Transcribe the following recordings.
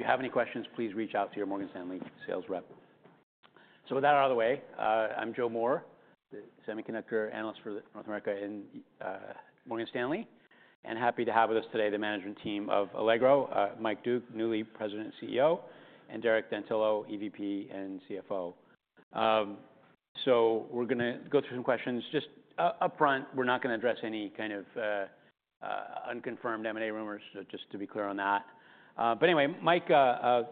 If you have any questions, please reach out to your Morgan Stanley sales rep. So with that out of the way, I'm Joe Moore, the Semiconductor Analyst for North America in Morgan Stanley, and happy to have with us today the management team of Allegro, Mike Doogue, newly President and CEO, and Derek D'Antilio, EVP and CFO, so we're gonna go through some questions. Just upfront, we're not gonna address any kind of unconfirmed M&A rumors, so just to be clear on that, but anyway, Mike,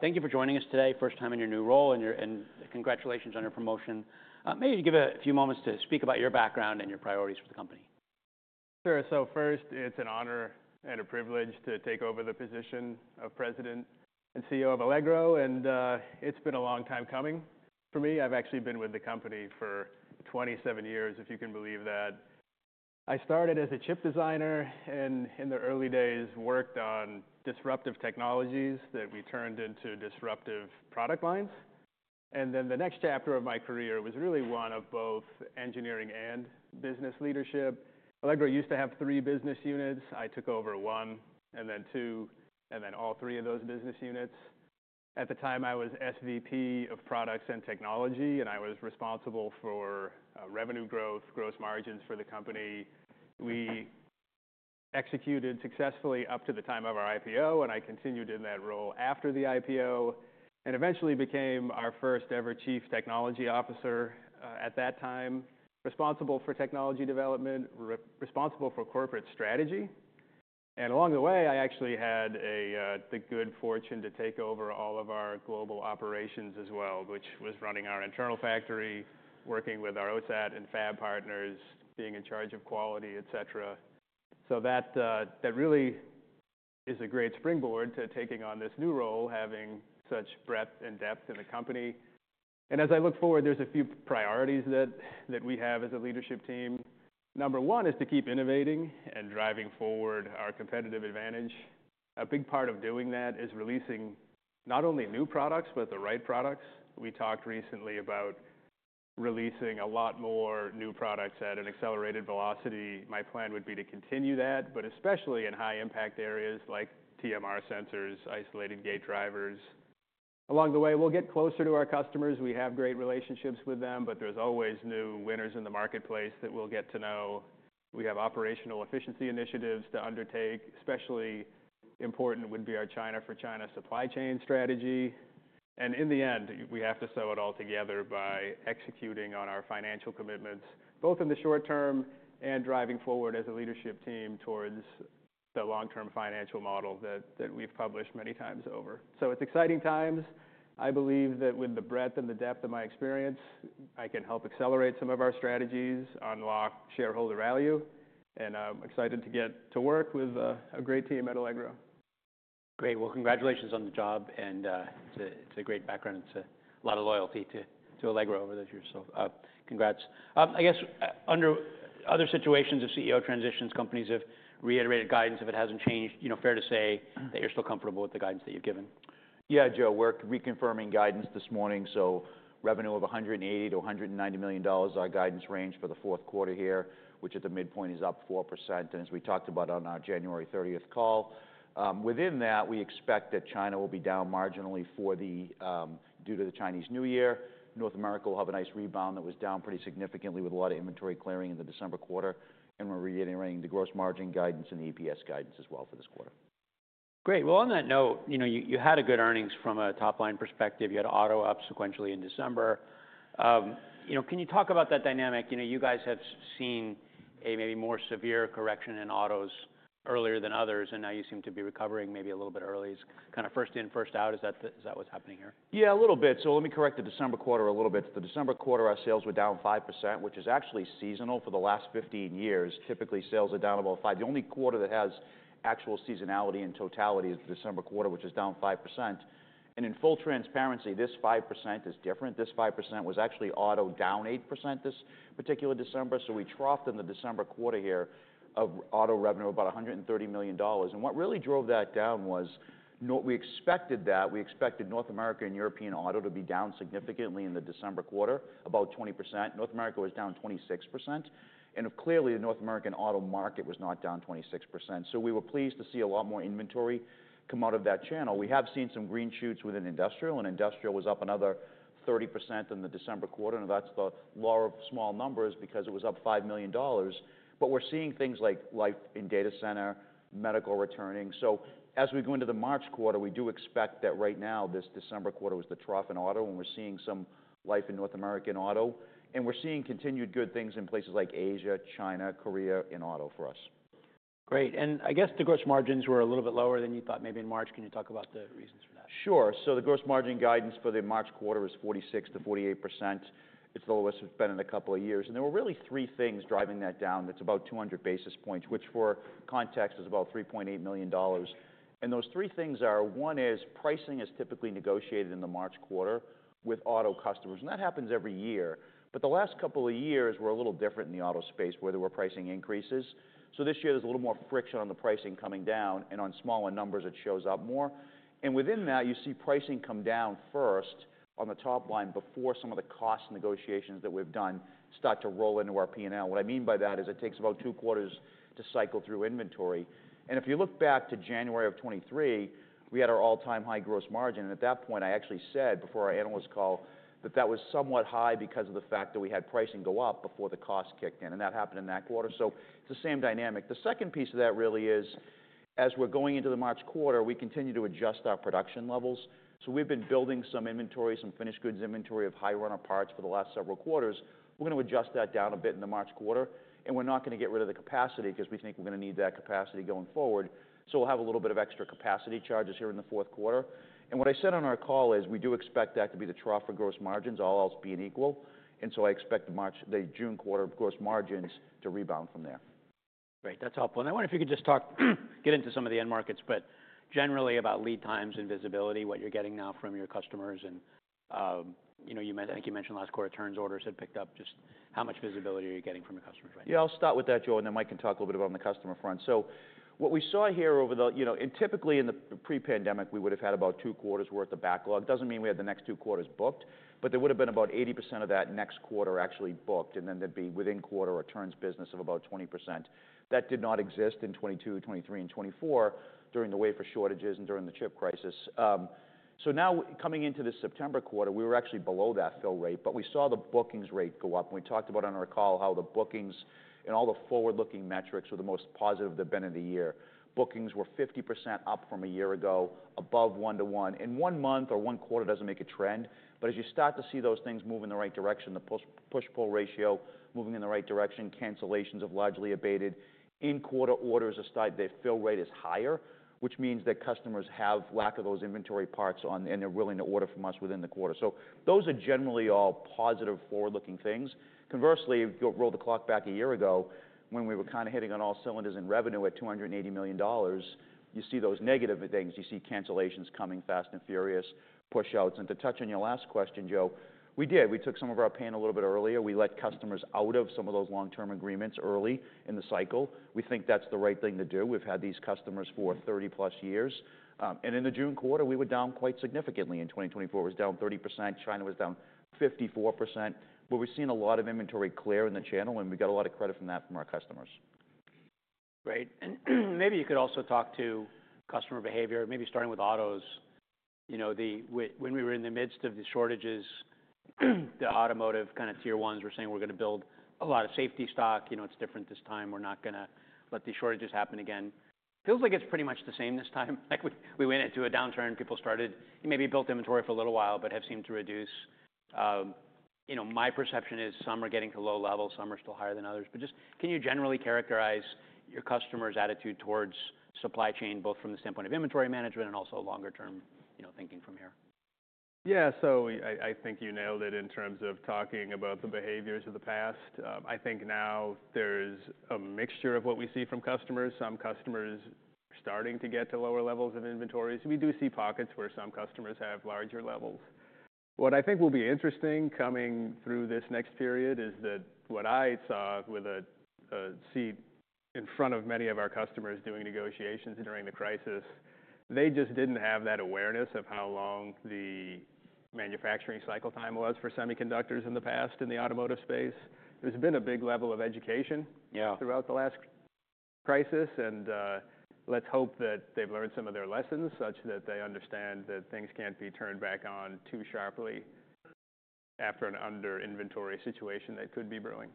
thank you for joining us today, first time in your new role, and your, and congratulations on your promotion, maybe you'd give a few moments to speak about your background and your priorities for the company. Sure. So first, it's an honor and a privilege to take over the position of President and CEO of Allegro, and it's been a long time coming for me. I've actually been with the company for 27 years, if you can believe that. I started as a chip designer and, in the early days, worked on disruptive technologies that we turned into disruptive product lines. And then the next chapter of my career was really one of both engineering and business leadership. Allegro used to have three business units. I took over one and then two, and then all three of those business units. At the time, I was SVP of Products and Technology, and I was responsible for revenue growth, gross margins for the company. We executed successfully up to the time of our IPO, and I continued in that role after the IPO and eventually became our first-ever Chief Technology Officer, at that time responsible for technology development, responsible for corporate strategy. And along the way, I actually had the good fortune to take over all of our global operations as well, which was running our internal factory, working with our OSAT and fab partners, being in charge of quality, etc. So that really is a great springboard to taking on this new role, having such breadth and depth in the company. And as I look forward, there's a few priorities that we have as a leadership team. Number one is to keep innovating and driving forward our competitive advantage. A big part of doing that is releasing not only new products but the right products. We talked recently about releasing a lot more new products at an accelerated velocity. My plan would be to continue that, but especially in high-impact areas like TMR sensors, isolated gate drivers. Along the way, we'll get closer to our customers. We have great relationships with them, but there's always new winners in the marketplace that we'll get to know. We have operational efficiency initiatives to undertake, especially important would be our China for China supply chain strategy, and in the end, we have to sew it all together by executing on our financial commitments, both in the short term and driving forward as a leadership team towards the long-term financial model that, that we've published many times over, so it's exciting times. I believe that with the breadth and the depth of my experience, I can help accelerate some of our strategies, unlock shareholder value, and I'm excited to get to work with a great team at Allegro. Great. Well, congratulations on the job, and it's a great background. It's a lot of loyalty to Allegro over those years, so congrats. I guess, under other situations of CEO transitions, companies have reiterated guidance. If it hasn't changed, you know, fair to say that you're still comfortable with the guidance that you've given. Yeah, Joe. We're reconfirming guidance this morning. So revenue of $180 million-$190 million is our guidance range for the fourth quarter here, which at the midpoint is up 4%. And as we talked about on our January 30th call, within that, we expect that China will be down marginally for the, due to the Chinese New Year. North America will have a nice rebound that was down pretty significantly with a lot of inventory clearing in the December quarter, and we're reiterating the gross margin guidance and the EPS guidance as well for this quarter. Great. Well, on that note, you know, you had a good earnings from a top-line perspective. You had auto up sequentially in December. You know, can you talk about that dynamic? You know, you guys have seen a maybe more severe correction in autos earlier than others, and now you seem to be recovering maybe a little bit early. It's kind of first in, first out. Is that the, is that what's happening here? Yeah, a little bit. So let me correct the December quarter a little bit. The December quarter, our sales were down 5%, which is actually seasonal for the last 15 years. Typically, sales are down about 5%. The only quarter that has actual seasonality in totality is the December quarter, which is down 5%. And in full transparency, this 5% is different. This 5% was actually auto down 8% this particular December. So we troughed in the December quarter here of auto revenue about $130 million. And what really drove that down was, we expected that. We expected North American and European auto to be down significantly in the December quarter, about 20%. North America was down 26%. And clearly, the North American auto market was not down 26%. So we were pleased to see a lot more inventory come out of that channel. We have seen some green shoots within industrial, and industrial was up another 30% in the December quarter, and that's the law of small numbers because it was up $5 million, but we're seeing things like life in data center, medical returning, so as we go into the March quarter, we do expect that right now, this December quarter was the trough in auto, and we're seeing some life in North American auto, and we're seeing continued good things in places like Asia, China, Korea in auto for us. Great. And I guess the gross margins were a little bit lower than you thought maybe in March. Can you talk about the reasons for that? Sure, so the gross margin guidance for the March quarter was 46%-48%. It's the lowest it's been in a couple of years, and there were really three things driving that down. It's about 200 basis points, which for context is about $3.8 million, and those three things are one is pricing is typically negotiated in the March quarter with auto customers, and that happens every year, but the last couple of years were a little different in the auto space, where there were pricing increases, so this year, there's a little more friction on the pricing coming down, and on smaller numbers, it shows up more, and within that, you see pricing come down first on the top line before some of the cost negotiations that we've done start to roll into our P&L. What I mean by that is it takes about two quarters to cycle through inventory, and if you look back to January of 2023, we had our all-time high gross margin, and at that point, I actually said before our analyst call that that was somewhat high because of the fact that we had pricing go up before the cost kicked in, and that happened in that quarter, so it's the same dynamic. The second piece of that really is, as we're going into the March quarter, we continue to adjust our production levels, so we've been building some inventory, some finished goods inventory of high-runner parts for the last several quarters. We're gonna adjust that down a bit in the March quarter, and we're not gonna get rid of the capacity 'cause we think we're gonna need that capacity going forward. So we'll have a little bit of extra capacity charges here in the fourth quarter. And what I said on our call is we do expect that to be the trough for gross margins, all else being equal. And so I expect the March, the June quarter gross margins to rebound from there. Great. That's helpful, and I wonder if you could just talk, get into some of the end markets, but generally about lead times and visibility, what you're getting now from your customers and, you know, you meant I think you mentioned last quarter turns orders had picked up. Just how much visibility are you getting from your customers right now? Yeah, I'll start with that, Joe, and then Mike can talk a little bit about on the customer front. So what we saw here over the, you know, and typically in the pre-pandemic, we would've had about two quarters' worth of backlog. Doesn't mean we had the next two quarters booked, but there would've been about 80% of that next quarter actually booked, and then there'd be within quarter or turns business of about 20%. That did not exist in 2022, 2023, and 2024 during the wafer shortages and during the chip crisis. So now coming into this September quarter, we were actually below that fill rate, but we saw the bookings rate go up. And we talked about on our call how the bookings and all the forward-looking metrics were the most positive they've been in the year. Bookings were 50% up from a year ago, above one-to-one. One month or one quarter doesn't make a trend, but as you start to see those things move in the right direction, the push-pull ratio moving in the right direction, cancellations have largely abated. In quarter orders are starting, the fill rate is higher, which means that customers have lack of those inventory parts on, and they're willing to order from us within the quarter. So those are generally all positive forward-looking things. Conversely, if you roll the clock back a year ago, when we were kind of hitting on all cylinders in revenue at $280 million, you see those negative things. You see cancellations coming fast and furious, push-outs. To touch on your last question, Joe, we did. We took some of our pain a little bit earlier. We let customers out of some of those long-term agreements early in the cycle. We think that's the right thing to do. We've had these customers for 30+ years, and in the June quarter, we were down quite significantly in 2024. It was down 30%. China was down 54%, but we've seen a lot of inventory clear in the channel, and we got a lot of credit from that from our customers. Great. And maybe you could also talk to customer behavior, maybe starting with autos. You know, the when we were in the midst of the shortages, the automotive kind of Tier 1s were saying, "We're gonna build a lot of safety stock. You know, it's different this time. We're not gonna let these shortages happen again." Feels like it's pretty much the same this time. Like, we went into a downturn. People started, you maybe built inventory for a little while but have seemed to reduce. You know, my perception is some are getting to low levels, some are still higher than others. But just can you generally characterize your customer's attitude towards supply chain, both from the standpoint of inventory management and also longer-term, you know, thinking from here? Yeah. So I think you nailed it in terms of talking about the behaviors of the past. I think now there's a mixture of what we see from customers. Some customers are starting to get to lower levels of inventories. We do see pockets where some customers have larger levels. What I think will be interesting coming through this next period is that what I saw with a seat in front of many of our customers doing negotiations during the crisis, they just didn't have that awareness of how long the manufacturing cycle time was for semiconductors in the past in the automotive space. There's been a big level of education. Yeah. Throughout the last crisis, and, let's hope that they've learned some of their lessons such that they understand that things can't be turned back on too sharply after an under-inventory situation that could be brewing.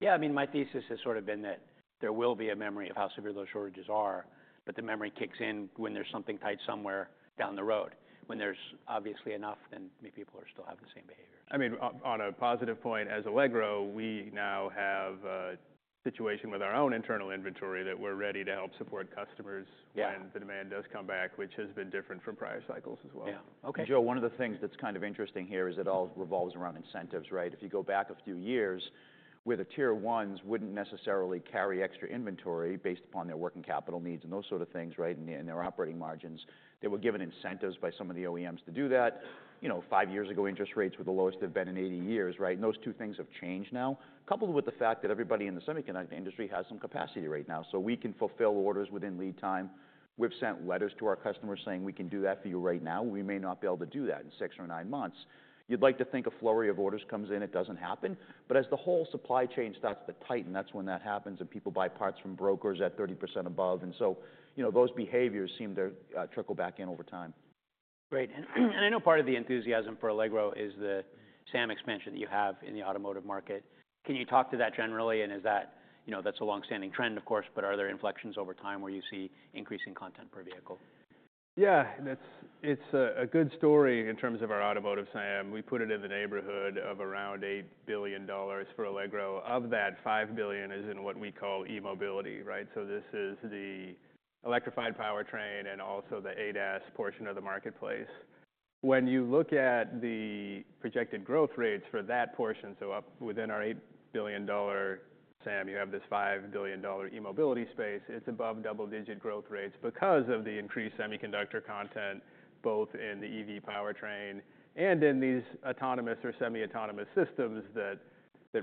Yeah. I mean, my thesis has sort of been that there will be a memory of how severe those shortages are, but the memory kicks in when there's something tight somewhere down the road. When there's obviously enough, then maybe people are still having the same behavior. I mean, on a positive point, as Allegro, we now have a situation with our own internal inventory that we're ready to help support customers. Yeah. When the demand does come back, which has been different from prior cycles as well. Yeah. Okay. Joe, one of the things that's kind of interesting here is it all revolves around incentives, right? If you go back a few years, where the Tier 1s wouldn't necessarily carry extra inventory based upon their working capital needs and those sort of things, right, and their operating margins, they were given incentives by some of the OEMs to do that. You know, five years ago, interest rates were the lowest they've been in 80 years, right? And those two things have changed now, coupled with the fact that everybody in the semiconductor industry has some capacity right now. So we can fulfill orders within lead time. We've sent letters to our customers saying, "We can do that for you right now. We may not be able to do that in six or nine months." You'd like to think a flurry of orders comes in. It doesn't happen. But as the whole supply chain starts to tighten, that's when that happens, and people buy parts from brokers at 30% above. And so, you know, those behaviors seem to trickle back in over time. Great. And, I know part of the enthusiasm for Allegro is the SAM expansion that you have in the automotive market. Can you talk to that generally? And is that, you know, that's a longstanding trend, of course, but are there inflections over time where you see increasing content per vehicle? Yeah. That's, it's a good story in terms of our automotive SAM. We put it in the neighborhood of around $8 billion for Allegro. Of that, $5 billion is in what we call e-mobility, right? So this is the electrified powertrain and also the ADAS portion of the marketplace. When you look at the projected growth rates for that portion, so up within our $8 billion SAM, you have this $5 billion e-mobility space. It's above double-digit growth rates because of the increased semiconductor content, both in the EV powertrain and in these autonomous or semi-autonomous systems that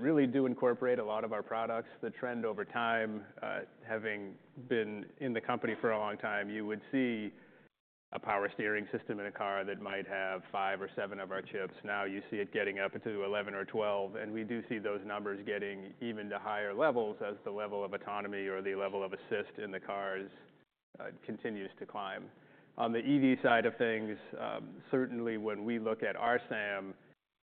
really do incorporate a lot of our products. The trend over time, having been in the company for a long time, you would see a power steering system in a car that might have five or seven of our chips. Now you see it getting up to 11 or 12, and we do see those numbers getting even to higher levels as the level of autonomy or the level of assist in the cars continues to climb. On the EV side of things, certainly when we look at our SAM,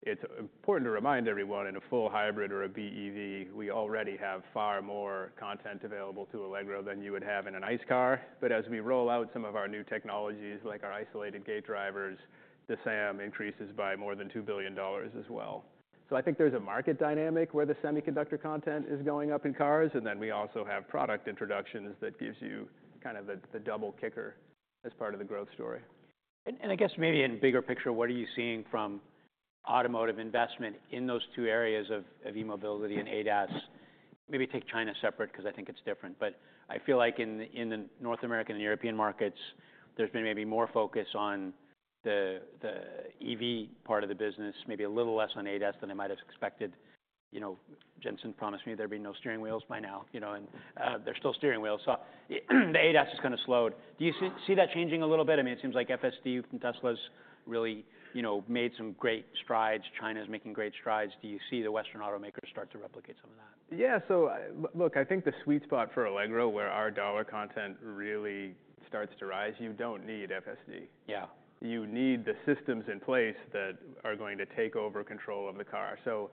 it's important to remind everyone in a full hybrid or a BEV, we already have far more content available to Allegro than you would have in an ICE car. But as we roll out some of our new technologies, like our isolated gate drivers, the SAM increases by more than $2 billion as well. So I think there's a market dynamic where the semiconductor content is going up in cars, and then we also have product introductions that gives you kind of the, the double kicker as part of the growth story. I guess maybe in bigger picture, what are you seeing from automotive investment in those two areas of e-mobility and ADAS? Maybe take China separate 'cause I think it's different, but I feel like in the North American and European markets, there's been maybe more focus on the EV part of the business, maybe a little less on ADAS than I might've expected. You know, Jensen promised me there'd be no steering wheels by now, you know, and there's still steering wheels. So the ADAS has kind of slowed. Do you see that changing a little bit? I mean, it seems like FSD from Tesla's really, you know, made some great strides. China's making great strides. Do you see the Western automakers start to replicate some of that? Yeah. So, look, I think the sweet spot for Allegro, where our dollar content really starts to rise, you don't need FSD. Yeah. You need the systems in place that are going to take over control of the car. So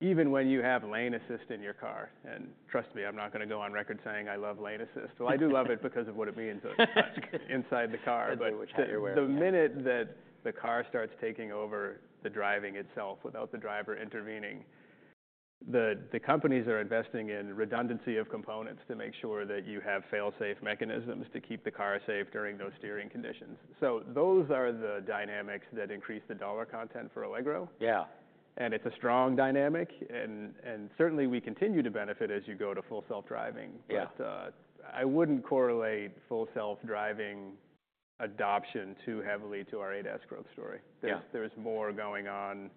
even when you have lane assist in your car, and trust me, I'm not gonna go on record saying I love lane assist. Well, I do love it because of what it means that it's inside the car. I do, which I'm aware of. But the minute that the car starts taking over the driving itself without the driver intervening, the companies are investing in redundancy of components to make sure that you have fail-safe mechanisms to keep the car safe during those steering conditions. So those are the dynamics that increase the dollar content for Allegro. Yeah. It's a strong dynamic, and certainly we continue to benefit as you go to full self-driving. Yeah. But, I wouldn't correlate full self-driving adoption too heavily to our ADAS growth story. Yeah. There's more going on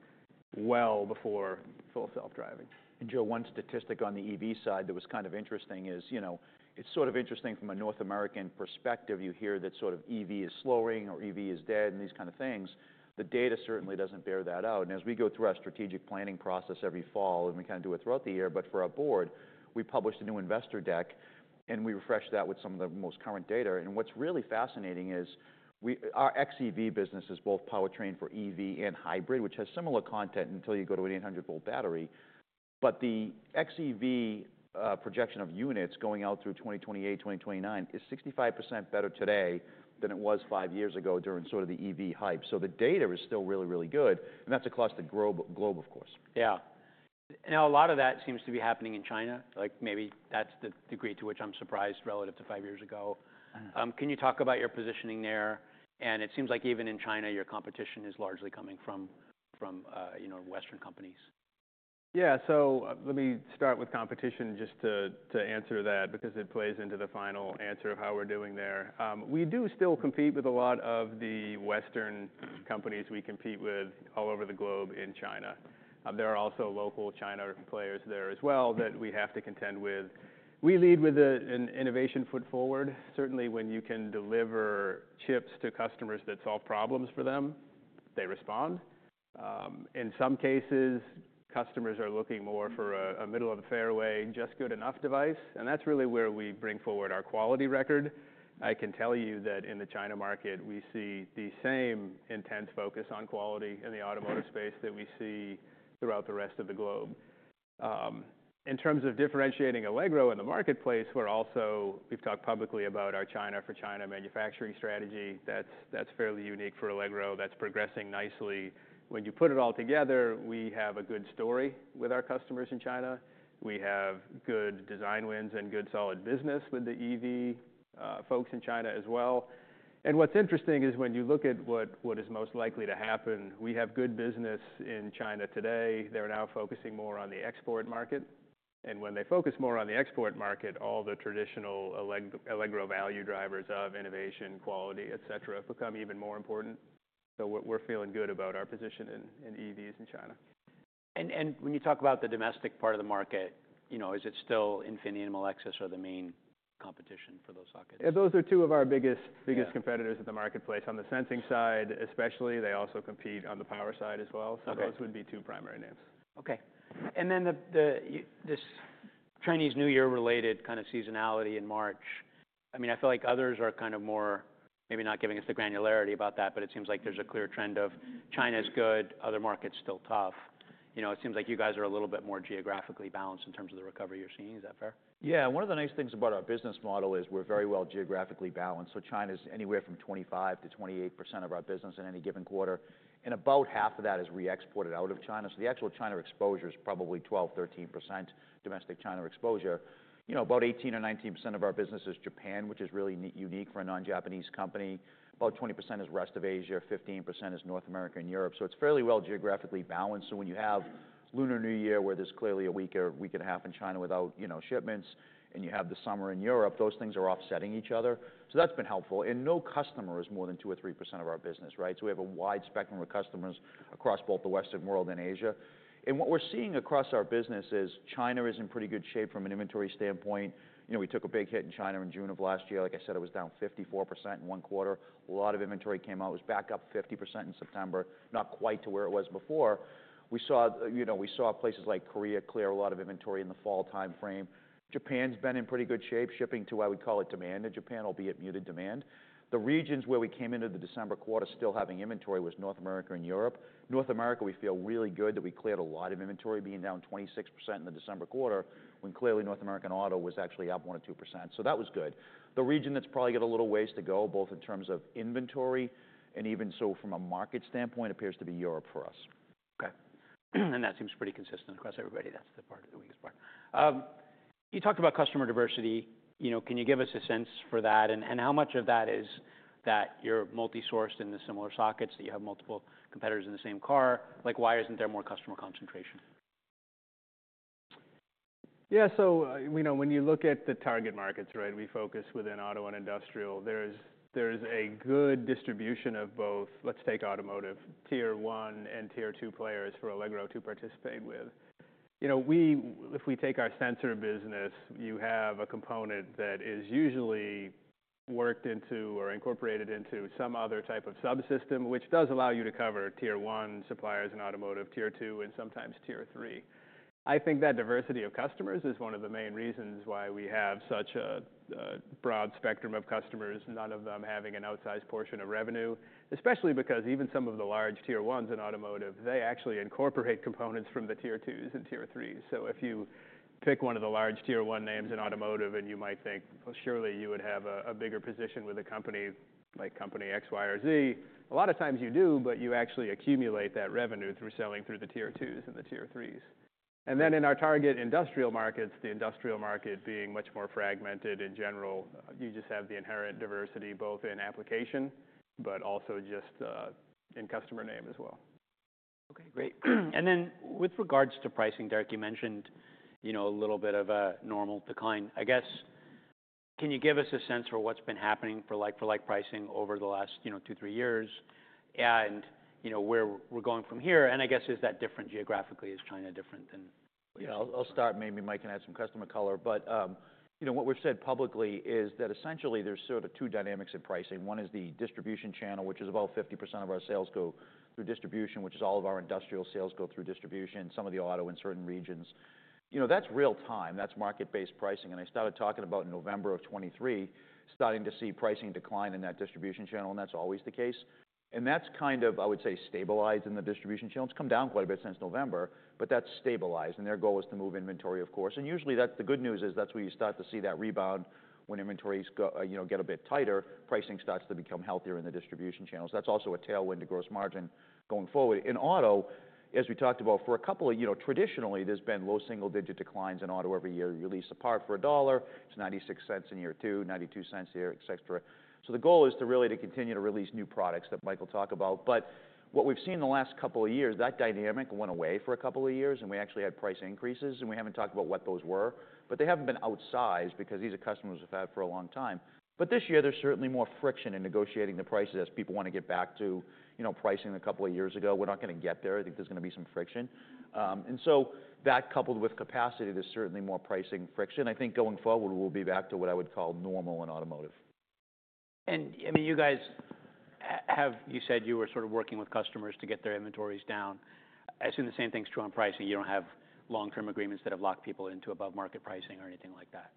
well before full self-driving. And Joe, one statistic on the EV side that was kind of interesting is, you know, it's sort of interesting from a North American perspective. You hear that sort of EV is slowing or EV is dead and these kind of things. The data certainly doesn't bear that out. And as we go through our strategic planning process every fall, and we kind of do it throughout the year, but for our board, we published a new investor deck, and we refreshed that with some of the most current data. And what's really fascinating is our xEV business is both powertrain for EV and hybrid, which has similar content until you go to an 800V battery. But the xEV projection of units going out through 2028, 2029 is 65% better today than it was five years ago during sort of the EV hype. So the data is still really, really good, and that's across the globe, of course. Yeah. Now, a lot of that seems to be happening in China. Like, maybe that's the degree to which I'm surprised relative to five years ago. Can you talk about your positioning there? And it seems like even in China, your competition is largely coming from, you know, Western companies. Yeah. So, let me start with competition just to answer that because it plays into the final answer of how we're doing there. We do still compete with a lot of the Western companies we compete with all over the globe in China. There are also local China players there as well that we have to contend with. We lead with an innovation foot forward. Certainly, when you can deliver chips to customers that solve problems for them, they respond. In some cases, customers are looking more for a middle-of-the-fairway, just-good-enough device. And that's really where we bring forward our quality record. I can tell you that in the China market, we see the same intense focus on quality in the automotive space that we see throughout the rest of the globe. In terms of differentiating Allegro in the marketplace, we're also. We've talked publicly about our China for China manufacturing strategy. That's fairly unique for Allegro. That's progressing nicely. When you put it all together, we have a good story with our customers in China. We have good design wins and good solid business with the EV folks in China as well. And what's interesting is when you look at what is most likely to happen, we have good business in China today. They're now focusing more on the export market. And when they focus more on the export market, all the traditional Allegro value drivers of innovation, quality, etc., become even more important. So we're feeling good about our position in EVs in China. When you talk about the domestic part of the market, you know, is it still Infineon and Melexis are the main competition for those sockets? Yeah. Those are two of our biggest, biggest competitors at the marketplace. On the sensing side, especially, they also compete on the power side as well. Okay. So those would be two primary names. Okay. And then this Chinese New Year-related kind of seasonality in March, I mean, I feel like others are kind of more maybe not giving us the granularity about that, but it seems like there's a clear trend of China's good, other markets still tough. You know, it seems like you guys are a little bit more geographically balanced in terms of the recovery you're seeing. Is that fair? Yeah. One of the nice things about our business model is we're very well geographically balanced. So China's anywhere from 25%-28% of our business in any given quarter, and about half of that is re-exported out of China. So the actual China exposure is probably 12%-13% domestic China exposure. You know, about 18% or 19% of our business is Japan, which is really unique for a non-Japanese company. About 20% is rest of Asia, 15% is North America and Europe. So it's fairly well geographically balanced. So when you have Lunar New Year, where there's clearly a week or a week and a half in China without, you know, shipments, and you have the summer in Europe, those things are offsetting each other. So that's been helpful. And no customer is more than 2% or 3% of our business, right? We have a wide spectrum of customers across both the Western world and Asia. And what we're seeing across our business is China is in pretty good shape from an inventory standpoint. You know, we took a big hit in China in June of last year. Like I said, it was down 54% in one quarter. A lot of inventory came out. It was back up 50% in September, not quite to where it was before. We saw, you know, we saw places like Korea clear a lot of inventory in the fall timeframe. Japan's been in pretty good shape, shipping to what we call a demand in Japan, albeit muted demand. The regions where we came into the December quarter still having inventory was North America and Europe. North America, we feel really good that we cleared a lot of inventory, being down 26% in the December quarter when clearly North American auto was actually up 1% or 2%. So that was good. The region that's probably got a little ways to go, both in terms of inventory and even so from a market standpoint, appears to be Europe for us. Okay. That seems pretty consistent across everybody. That's the part, the weakest part. You talked about customer diversity. You know, can you give us a sense for that and, and how much of that is that you're multi-sourced in the similar sockets, that you have multiple competitors in the same car? Like, why isn't there more customer concentration? Yeah. So, you know, when you look at the target markets, right, we focus within auto and industrial. There's a good distribution of both. Let's take automotive, Tier 1 and Tier 2 players for Allegro to participate with. You know, we, if we take our sensor business, you have a component that is usually worked into or incorporated into some other type of subsystem, which does allow you to cover Tier 1 suppliers in automotive, Tier 2, and sometimes Tier 3. I think that diversity of customers is one of the main reasons why we have such a broad spectrum of customers, none of them having an outsized portion of revenue, especially because even some of the large Tier 1s in automotive, they actually incorporate components from the Tier 2s and Tier 3s. If you pick one of the large Tier 1 names in automotive and you might think, "Well, surely you would have a bigger position with a company like Company X, Y, or Z," a lot of times you do, but you actually accumulate that revenue through selling through the Tier 2s and the Tier 3s. And then in our target industrial markets, the industrial market being much more fragmented in general, you just have the inherent diversity both in application but also just, in customer name as well. Okay. Great. And then with regards to pricing, Derek, you mentioned, you know, a little bit of a normal decline. I guess, can you give us a sense for what's been happening for like pricing over the last, you know, two, three years and, you know, where we're going from here? And I guess is that different geographically? Is China different than? Yeah. I'll, I'll start. Maybe Mike can add some customer color. But, you know, what we've said publicly is that essentially there's sort of two dynamics in pricing. One is the distribution channel, which is about 50% of our sales go through distribution, which is all of our industrial sales go through distribution, some of the auto in certain regions. You know, that's real-time. That's market-based pricing. And I started talking about in November of 2023, starting to see pricing decline in that distribution channel, and that's always the case. And that's kind of, I would say, stabilized in the distribution channels. It's come down quite a bit since November, but that's stabilized, and their goal is to move inventory, of course. Usually that's the good news is that's where you start to see that rebound when inventories go, you know, get a bit tighter, pricing starts to become healthier in the distribution channels. That's also a tailwind to gross margin going forward. In auto, as we talked about for a couple of, you know, traditionally, there's been low single-digit declines in auto every year. You release a part for $1, it's $0.96 in year two, $0.92 in year, etc. So the goal is to really continue to release new products that Michael talked about. But what we've seen the last couple of years, that dynamic went away for a couple of years, and we actually had price increases, and we haven't talked about what those were, but they haven't been outsized because these are customers we've had for a long time. But this year, there's certainly more friction in negotiating the prices as people wanna get back to, you know, pricing a couple of years ago. We're not gonna get there. I think there's gonna be some friction. And so that coupled with capacity, there's certainly more pricing friction. I think going forward, we'll be back to what I would call normal in automotive. I mean, you guys have said you were sort of working with customers to get their inventories down. I assume the same thing's true on pricing. You don't have long-term agreements that have locked people into above-market pricing or anything like that.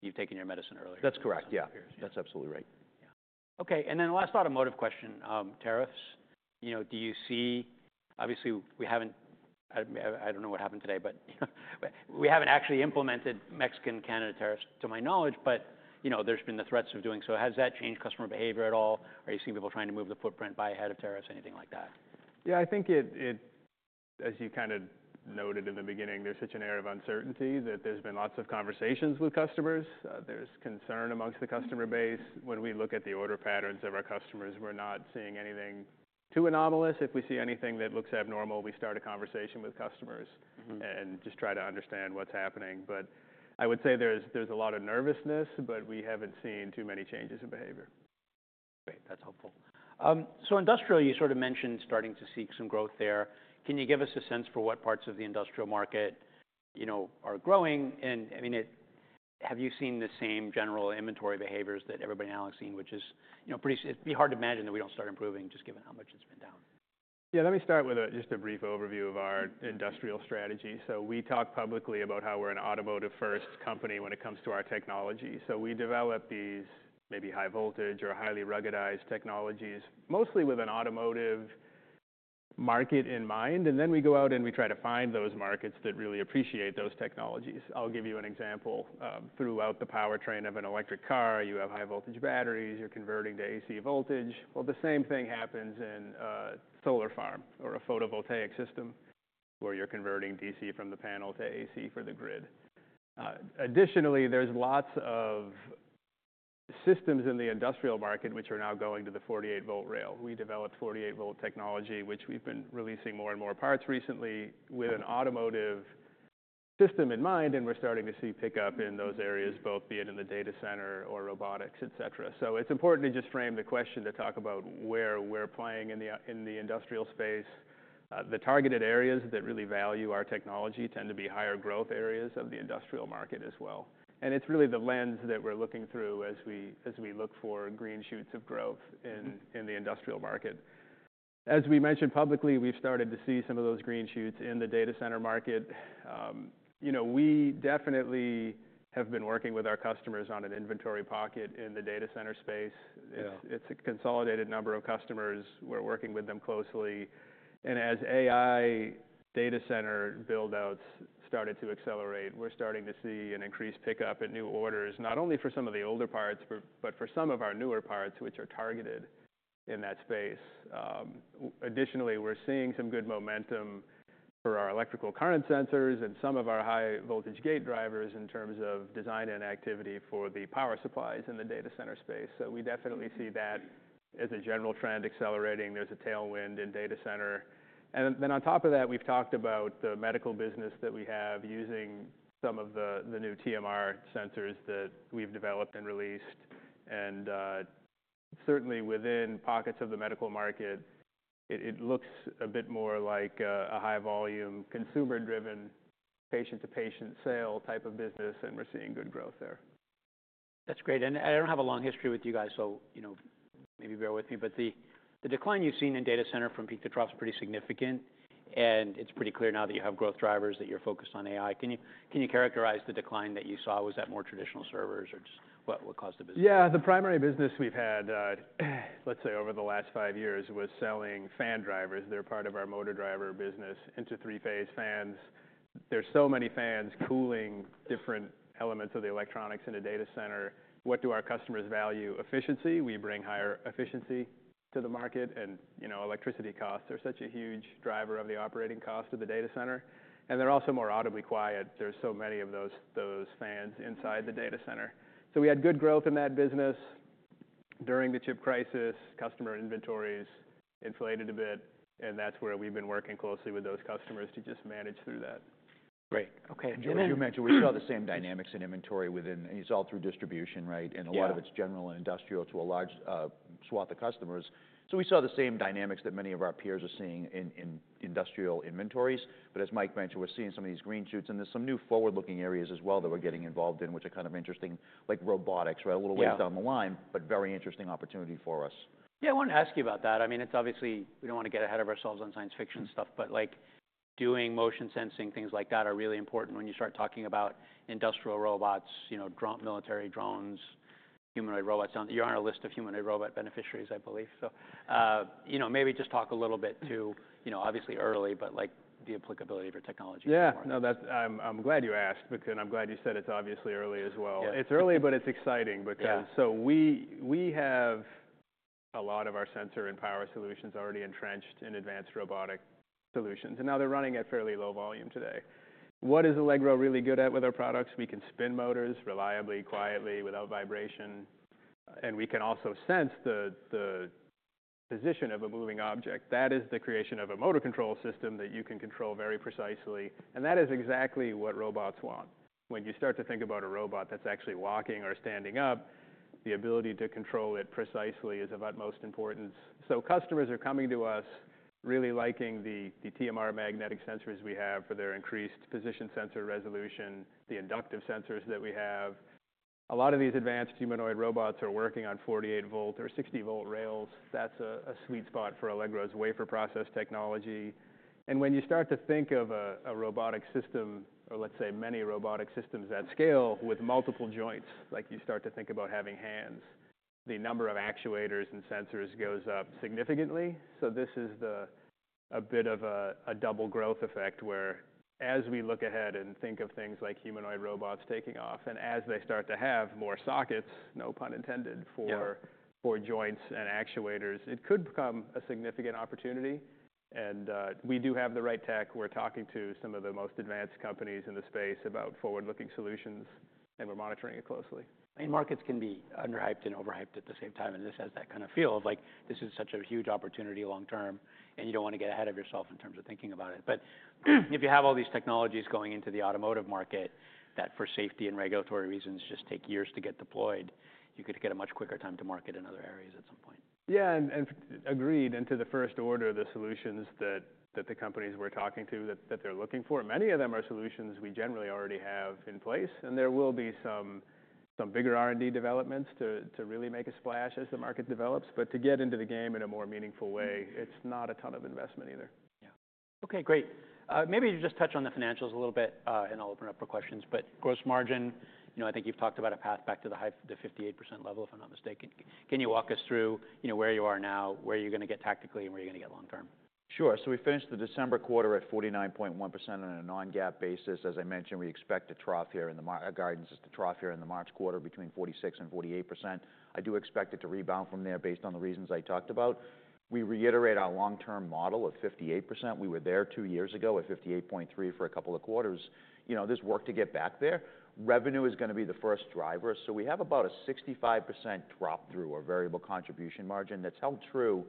You've taken your medicine earlier. That's correct. Yeah. It appears here. That's absolutely right. Yeah. Okay. And then last automotive question, tariffs. You know, do you see obviously, we haven't. I don't know what happened today, but you know, there's been the threats of doing so. Has that changed customer behavior at all? Are you seeing people trying to move the footprint ahead of tariffs, anything like that? Yeah. I think it, as you kind of noted in the beginning, there's such an air of uncertainty that there's been lots of conversations with customers. There's concern amongst the customer base. When we look at the order patterns of our customers, we're not seeing anything too anomalous. If we see anything that looks abnormal, we start a conversation with customers. Mm-hmm. Just try to understand what's happening. I would say there's a lot of nervousness, but we haven't seen too many changes in behavior. Great. That's helpful. So industrial, you sort of mentioned starting to see some growth there. Can you give us a sense for what parts of the industrial market, you know, are growing? And, I mean, have you seen the same general inventory behaviors that everybody and Melexis seen, which is, you know, pretty it'd be hard to imagine that we don't start improving just given how much it's been down. Yeah. Let me start with just a brief overview of our industrial strategy. We talk publicly about how we're an automotive-first company when it comes to our technology. We develop these maybe high-voltage or highly ruggedized technologies, mostly with an automotive market in mind. Then we go out and we try to find those markets that really appreciate those technologies. I'll give you an example. Throughout the powertrain of an electric car, you have high-voltage batteries. You're converting to AC voltage. Well, the same thing happens in a solar farm or a photovoltaic system where you're converting DC from the panel to AC for the grid. Additionally, there's lots of systems in the industrial market which are now going to the 48V rail. We developed 48V technology, which we've been releasing more and more parts recently with an automotive system in mind, and we're starting to see pickup in those areas, both be it in the data center or robotics, etc. So it's important to just frame the question to talk about where we're playing in the industrial space. The targeted areas that really value our technology tend to be higher growth areas of the industrial market as well. And it's really the lens that we're looking through as we look for green shoots of growth in the industrial market. As we mentioned publicly, we've started to see some of those green shoots in the data center market. You know, we definitely have been working with our customers on an inventory pocket in the data center space. Yeah. It's a consolidated number of customers. We're working with them closely. And as AI data center buildouts started to accelerate, we're starting to see an increased pickup in new orders, not only for some of the older parts, but for some of our newer parts, which are targeted in that space. Additionally, we're seeing some good momentum for our electrical current sensors and some of our high-voltage gate drivers in terms of design and activity for the power supplies in the data center space. So we definitely see that as a general trend accelerating. There's a tailwind in data center. And then on top of that, we've talked about the medical business that we have using some of the new TMR sensors that we've developed and released. Certainly within pockets of the medical market, it looks a bit more like a high-volume, consumer-driven, patient-to-patient sale type of business, and we're seeing good growth there. That's great. And I don't have a long history with you guys, so, you know, maybe bear with me. But the decline you've seen in data center from peak to trough is pretty significant, and it's pretty clear now that you have growth drivers, that you're focused on AI. Can you characterize the decline that you saw? Was that more traditional servers or just what caused the business? Yeah. The primary business we've had, let's say over the last five years, was selling fan drivers. They're part of our motor driver business into three-phase fans. There's so many fans cooling different elements of the electronics in a data center. What do our customers value? Efficiency. We bring higher efficiency to the market, and, you know, electricity costs are such a huge driver of the operating cost of the data center. And they're also more audibly quiet. There's so many of those fans inside the data center. So we had good growth in that business during the chip crisis. Customer inventories inflated a bit, and that's where we've been working closely with those customers to just manage through that. Great. Okay. And then. As you mentioned, we saw the same dynamics in inventory within, and it's all through distribution, right? A lot of it's general and industrial to a large swath of customers. We saw the same dynamics that many of our peers are seeing in industrial inventories. As Mike mentioned, we're seeing some of these green shoots, and there's some new forward-looking areas as well that we're getting involved in, which are kind of interesting, like robotics, right? A little ways. Yeah. Down the line, but very interesting opportunity for us. Yeah. I wanna ask you about that. I mean, it's obviously we don't wanna get ahead of ourselves on science fiction stuff, but, like, doing motion sensing, things like that are really important when you start talking about industrial robots, you know, drone military drones, humanoid robots. You're on a list of humanoid robot beneficiaries, I believe. So, you know, maybe just talk a little bit to, you know, obviously early, but, like, the applicability of your technology. Yeah. No, that's. I'm glad you asked because I'm glad you said it's obviously early as well. Yeah. It's early, but it's exciting because. Yeah. So we have a lot of our sensor and power solutions already entrenched in advanced robotic solutions, and now they're running at fairly low volume today. What is Allegro really good at with our products? We can spin motors reliably, quietly, without vibration, and we can also sense the position of a moving object. That is the creation of a motor control system that you can control very precisely, and that is exactly what robots want. When you start to think about a robot that's actually walking or standing up, the ability to control it precisely is of utmost importance. So customers are coming to us, really liking the TMR magnetic sensors we have for their increased position sensor resolution, the inductive sensors that we have. A lot of these advanced humanoid robots are working on 48V or 60V rails. That's a sweet spot for Allegro's wafer process technology. And when you start to think of a robotic system or, let's say, many robotic systems at scale with multiple joints, like, you start to think about having hands, the number of actuators and sensors goes up significantly. So this is a bit of a double growth effect where, as we look ahead and think of things like humanoid robots taking off and as they start to have more sockets, no pun intended, for. Yeah. For joints and actuators, it could become a significant opportunity, and we do have the right tech. We're talking to some of the most advanced companies in the space about forward-looking solutions, and we're monitoring it closely. I mean, markets can be underhyped and overhyped at the same time, and this has that kind of feel of, like, this is such a huge opportunity long-term, and you don't wanna get ahead of yourself in terms of thinking about it. But if you have all these technologies going into the automotive market that, for safety and regulatory reasons, just take years to get deployed, you could get a much quicker time to market in other areas at some point. Yeah. And agreed into the first order of the solutions that the companies we're talking to, that they're looking for, many of them are solutions we generally already have in place, and there will be some bigger R&D developments to really make a splash as the market develops. But to get into the game in a more meaningful way, it's not a ton of investment either. Yeah. Okay. Great. Maybe you just touch on the financials a little bit, and I'll open it up for questions. But gross margin, you know, I think you've talked about a path back to the high, the 58% level if I'm not mistaken. Can you walk us through, you know, where you are now, where you're gonna get tactically, and where you're gonna get long-term? Sure. So we finished the December quarter at 49.1% on a non-GAAP basis. As I mentioned, we expect a trough here in the March. Our guidance is to trough here in the March quarter between 46%-48%. I do expect it to rebound from there based on the reasons I talked about. We reiterate our long-term model of 58%. We were there two years ago at 58.3% for a couple of quarters. You know, there's work to get back there. Revenue is gonna be the first driver. So we have about a 65% drop-through or variable contribution margin that's held true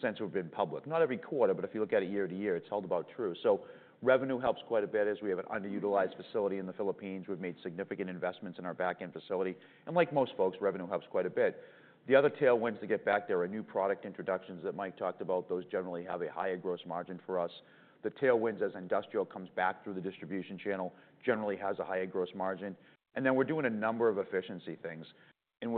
since we've been public. Not every quarter, but if you look at it year to year, it's held about true. So revenue helps quite a bit as we have an underutilized facility in the Philippines. We've made significant investments in our back-end facility. Like most folks, revenue helps quite a bit. The other tailwinds to get back there are new product introductions that Mike talked about. Those generally have a higher gross margin for us. The tailwinds as industrial comes back through the distribution channel generally has a higher gross margin. We're doing a number of efficiency things, and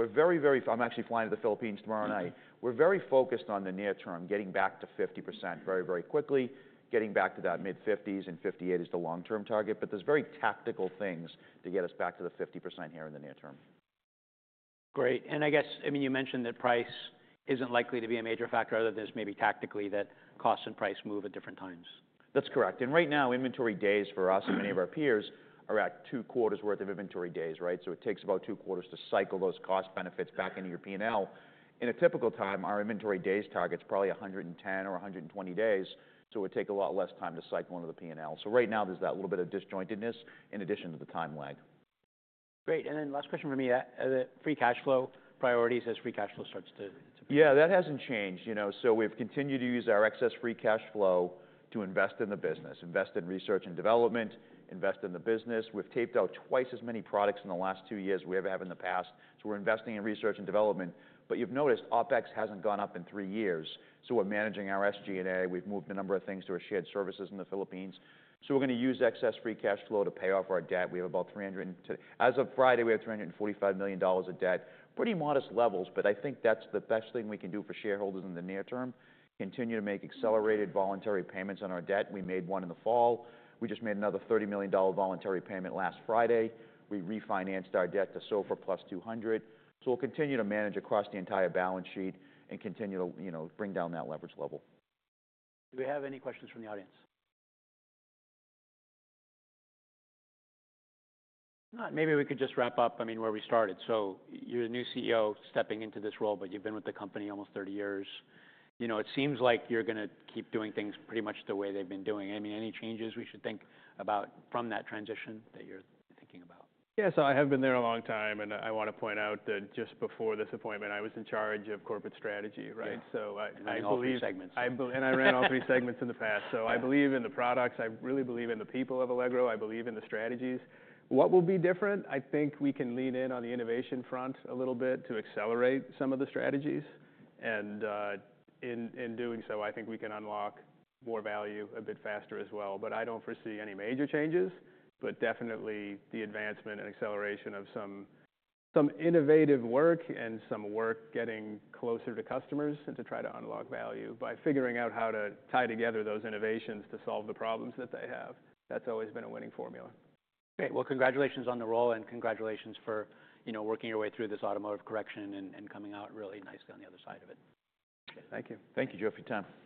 I'm actually flying to the Philippines tomorrow night. We're very focused on the near-term, getting back to 50% very, very quickly, getting back to that mid-50s, and 58% is the long-term target. There's very tactical things to get us back to the 50% here in the near-term. Great. And I guess, I mean, you mentioned that price isn't likely to be a major factor other than just maybe tactically that costs and price move at different times. That's correct. And right now, inventory days for us and many of our peers are at two quarters' worth of inventory days, right? So it takes about two quarters to cycle those cost benefits back into your P&L. In a typical time, our inventory days target is probably 110 days or 120 days, so it would take a lot less time to cycle into the P&L. So right now, there's that little bit of disjointedness in addition to the time lag. Great. And then last question for me. The free cash flow priorities as free cash flow starts to. Yeah. That hasn't changed, you know. So we've continued to use our excess free cash flow to invest in the business, invest in research and development, invest in the business. We've taped out twice as many products in the last two years as we ever have in the past. So we're investing in research and development. But you've noticed OpEx hasn't gone up in three years. So we're managing our SG&A. We've moved a number of things to our shared services in the Philippines. So we're gonna use excess free cash flow to pay off our debt. As of Friday, we have $345 million of debt, pretty modest levels, but I think that's the best thing we can do for shareholders in the near-term, continue to make accelerated voluntary payments on our debt. We made one in the fall. We just made another $30 million voluntary payment last Friday. We refinanced our debt to SOFR plus 200. So we'll continue to manage across the entire balance sheet and continue to, you know, bring down that leverage level. Do we have any questions from the audience? Not. Maybe we could just wrap up, I mean, where we started. So you're a new CEO stepping into this role, but you've been with the company almost 30 years. You know, it seems like you're gonna keep doing things pretty much the way they've been doing. I mean, any changes we should think about from that transition that you're thinking about? Yeah. So I have been there a long time, and I wanna point out that just before this appointment, I was in charge of corporate strategy, right? Yeah. So I believe. I know all the segments. I believe, and I ran all three segments in the past, so I believe in the products. I really believe in the people of Allegro. I believe in the strategies. What will be different? I think we can lean in on the innovation front a little bit to accelerate some of the strategies, and in doing so, I think we can unlock more value a bit faster as well. I don't foresee any major changes, but definitely the advancement and acceleration of some innovative work and some work getting closer to customers and to try to unlock value by figuring out how to tie together those innovations to solve the problems that they have. That's always been a winning formula. Great. Well, congratulations on the role, and congratulations for, you know, working your way through this automotive correction and coming out really nicely on the other side of it. Thank you. Thank you of your time.